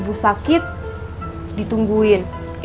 bapaknya gak mau nyanyi